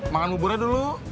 makan buburnya dulu